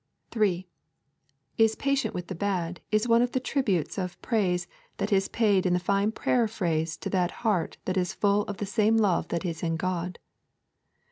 3. 'Is patient with the bad' is one of the tributes of praise that is paid in the fine paraphrase to that heart that is full of the same love that is in God.